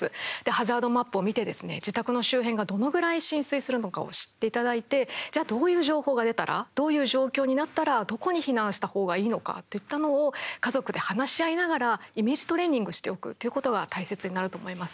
ハザードマップを見てですね自宅の周辺が、どのぐらい浸水するのかを知っていただいてじゃあ、どういう情報が出たらどういう状況になったらどこに避難した方がいいのかといったのを家族で話し合いながらイメージトレーニングしておくということが大切になると思います。